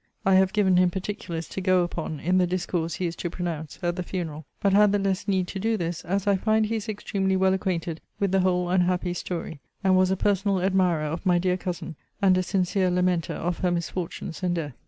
I have given him particulars to go upon in the discourse he is to pronounce at the funeral; but had the less need to do this, as I find he is extremely well acquainted with the whole unhappy story; and was a personal admirer of my dear cousin, and a sincere lamenter of her misfortunes and death.